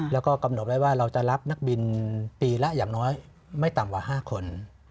แล้วก็กำหนดไว้ว่าเราจะรับนักบินปีละอย่างน้อยไม่ต่ำกว่า๕คน